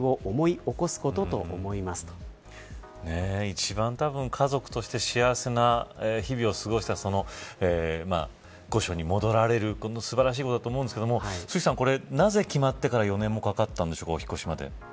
一番、たぶん家族として幸せな日々を過ごした御所に戻られる素晴らしいことだと思うんですけどもなぜ決まってからお引っ越しまで４年もかかったんでしょうか。